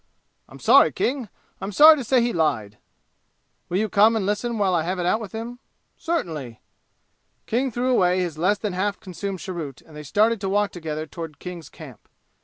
"I'm sorry, King. I'm sorry to say he lied." "Will you come and listen while I have it out with him?" "Certainly." King threw away his less than half consumed cheroot and they started to walk together toward King's camp.